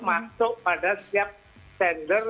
masuk pada setiap tender